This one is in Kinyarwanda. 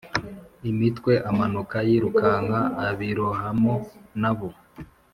imitwe amanuka yirukanka abirohamo Na bo